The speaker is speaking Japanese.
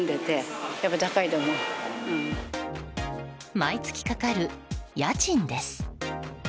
毎月かかる家賃です。